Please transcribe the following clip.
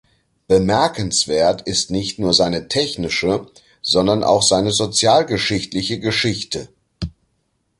Bemerkenswert ist nicht nur seine technische, sondern auch seine sozialgeschichtliche Geschichte.